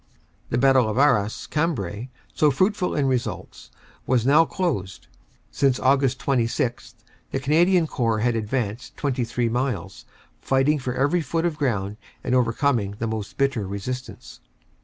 "The battle of Arras Cambrai, so fruitful in results, was now closed. Since Aug. 26 the Canadian Corps had advanced 23 miles, fighting for every foot of ground and overcoming the most bitter resistance.